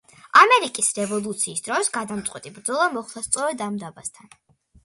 ამერიკის რევოლუციის დროს, გადამწყვეტი ბრძოლა მოხდა სწორედ ამ დაბასთან.